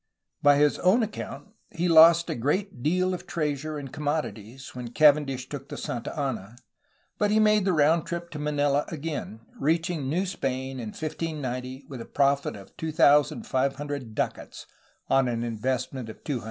By his own account ^ he ''lost a great deale of treasure and commodities" when Cavendish took the Santa Ana, but he made the round trip to Manila again, reaching New Spain in 1590 with a profit of 2,500 ducats on an investment of 200.